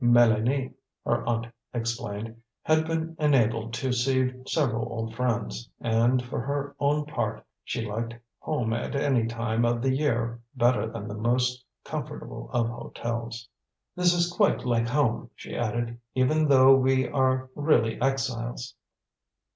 Mélanie, her aunt explained, had been enabled to see several old friends, and, for her own part, she liked home at any time of the year better than the most comfortable of hotels. "This is quite like home," she added, "even though we are really exiles."